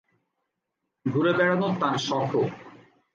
ঘুরে বেড়ানো তাঁর শখও।